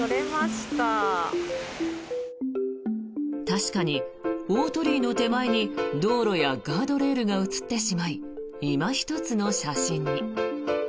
確かに大鳥居の手前に道路やガードレールが写ってしまいいま一つの写真に。